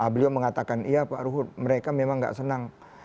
beliau mengatakan iya pak ruhut mereka memang nggak senang